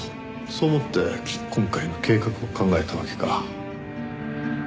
そう思って今回の計画を考えたわけか。